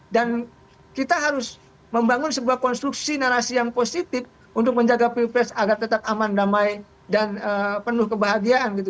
dan kita harus membangun sebuah konstruksi narasi yang positif untuk menjaga pilpres agar tetap aman damai dan penuh kebahagiaan gitu